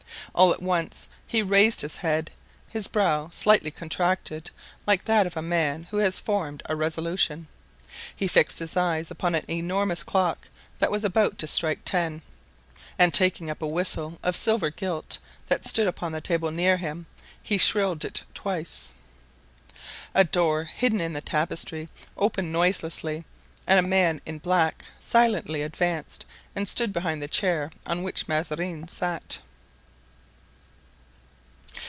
All at once he raised his head; his brow slightly contracted like that of a man who has formed a resolution; he fixed his eyes upon an enormous clock that was about to strike ten, and taking up a whistle of silver gilt that stood upon the table near him, he shrilled it twice. A door hidden in the tapestry opened noiselessly and a man in black silently advanced and stood behind the chair on which Mazarin sat.